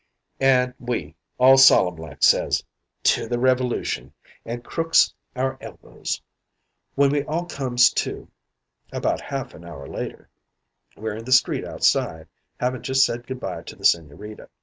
"An' we all solemn like says, 'To the Revolution,' an' crooks our elbows. When we all comes to, about half an hour later, we're in the street outside, havin' jus' said good by to the Sigñorita.